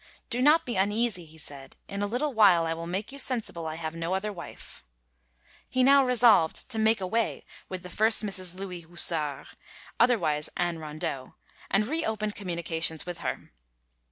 "Do not be uneasy," he said; "in a little time I will make you sensible I have no other wife." He now resolved to make away with the first Mrs. Louis Houssart, otherwise Ann Rondeau, and reopened communications with her.